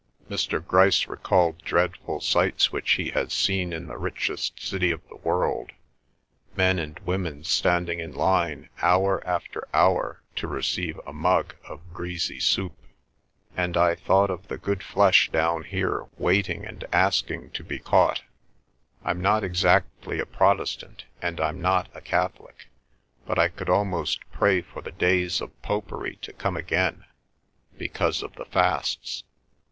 Mr. Grice recalled dreadful sights which he had seen in the richest city of the world—men and women standing in line hour after hour to receive a mug of greasy soup. "And I thought of the good flesh down here waiting and asking to be caught. I'm not exactly a Protestant, and I'm not a Catholic, but I could almost pray for the days of popery to come again—because of the fasts."